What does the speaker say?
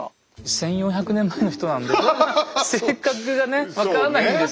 １，４００年前の人なんで性格がね分からないんですけど。